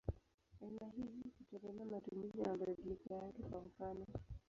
Aina hizi hutegemea matumizi na mabadiliko yake; kwa mfano.